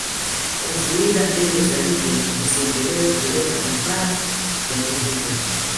Kuzuia ndege za Libya zisiendelee kupeleka vifaa vya kivita